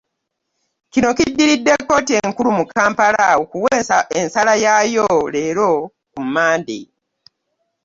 Kino kiddiridde kkooti enkulu mu Kampala okuwa ensala yaayo leero ku Mmande